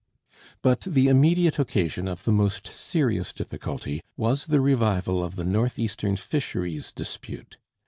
But the immediate occasion of the most serious difficulty was the revival of the northeastern fisheries dispute.